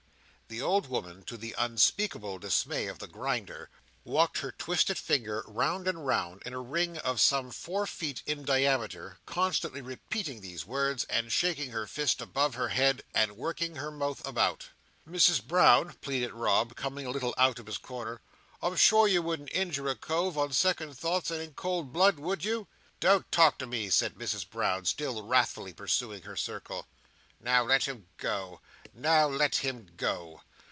The old woman, to the unspeakable dismay of the Grinder, walked her twisted figure round and round, in a ring of some four feet in diameter, constantly repeating these words, and shaking her fist above her head, and working her mouth about. "Misses Brown," pleaded Rob, coming a little out of his corner, "I'm sure you wouldn't injure a cove, on second thoughts, and in cold blood, would you?" "Don't talk to me," said Mrs Brown, still wrathfully pursuing her circle. "Now let him go, now let him go!"